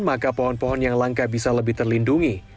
maka pohon pohon yang langka bisa lebih terlindungi